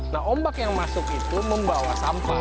nah ombak yang masuk itu membawa sampah